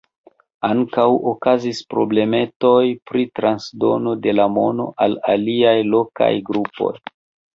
Ankaŭ okazis problemetoj pri transdono de la mono al aliaj lokaj grupoj.